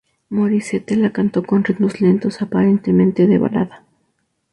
Morissette la cantó con ritmos lentos aparentemente de balada.